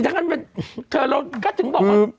ถ้างั้นเธอเราก็ถึงบอกว่า